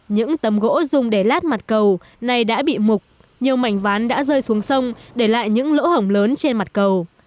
những tấm gỗ dùng để lát mặt cầu này đã bị mục nhiều mảnh ván đã rơi xuống sông để lại những lỗ hổng lớn trên mặt cầu